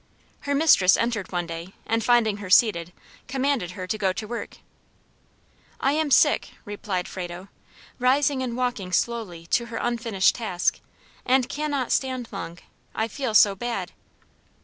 Her mistress entered one day, and finding her seated, commanded her to go to work. "I am sick," replied Frado, rising and walking slowly to her unfinished task, "and cannot stand long, I feel so bad."